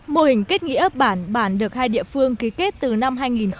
mô hình kết nghĩa bản bản được hai địa phương ký kết từ năm hai nghìn một mươi